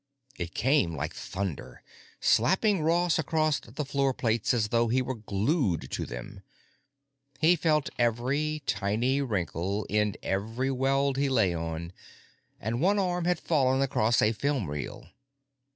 It came like thunder, slapping Ross against the floor plates as though he were glued to them. He felt every tiny wrinkle in every weld he lay on, and one arm had fallen across a film reel.